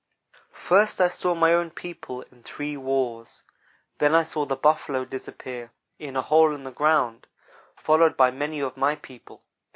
"First I saw my own people in three wars. Then I saw the Buffalo disappear in a hole in the ground, followed by many of my people.